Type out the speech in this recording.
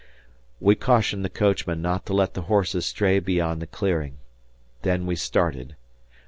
We cautioned the coachman not to let the horses stray beyond the clearing. Then we started.